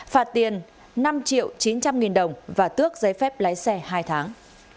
phạt tiền năm triệu chín trăm linh nghìn đồng và tước giấy phép lái xe hai tháng